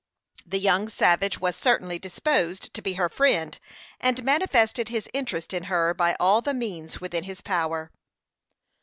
The young savage was certainly disposed to be her friend, and manifested his interest in her by all the means within his power.